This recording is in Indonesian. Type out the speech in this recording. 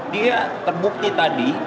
dia terbukti tadi